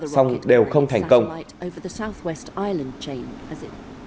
xong đều không thành công